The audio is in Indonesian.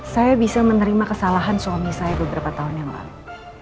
saya bisa menerima kesalahan suami saya beberapa tahun yang lalu